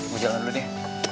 gue jalan dulu deh